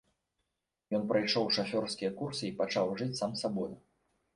Ён прайшоў шафёрскія курсы і пачаў жыць сам сабою.